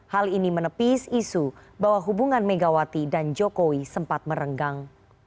hal ini menepis isu bahwa hubungan megawati dan jokowi sempat merenggang